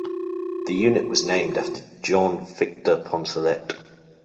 The unit was named after Jean-Victor Poncelet.